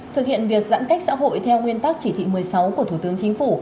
thực hiện việc giãn cách xã hội theo nguyên tắc chỉ thị một mươi sáu của thủ tướng chính phủ